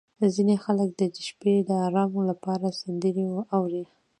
• ځینې خلک د شپې د ارام لپاره سندرې اوري.